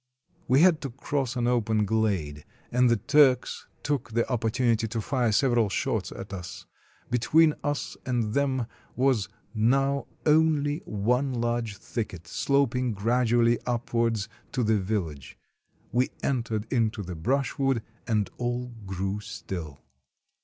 We had to cross an open glade, and the Turks took the opportunity to fire several shots at us. Between us and them was now only one large thicket, sloping gradually upwards to the village. We entered into the brushwood, and all grew still.